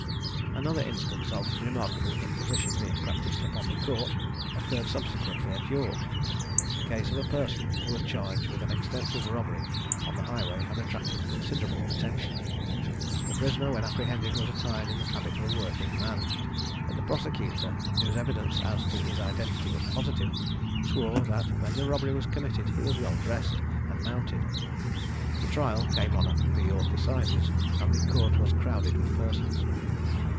Another instance of remarkable imposition being practised upon the Court, occurred subsequently at York. The case of a person who was charged with an extensive robbery on the highway, had attracted considerable attention. The prisoner, when apprehended, was attired in the habit of a working man; but the prosecutor, whose evidence as to his identity was positive, swore that when the robbery was committed he was well dressed, and mounted. The trial came on at the York assizes, and the Court was crowded with persons.